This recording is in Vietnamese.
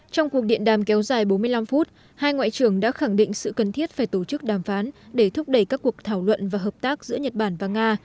trong cuộc điện đàm kéo dài bốn mươi năm phút hai ngoại trưởng đã khẳng định sự cần thiết phải tổ chức đàm phán để thúc đẩy các cuộc thảo luận và hợp tác giữa nhật bản và nga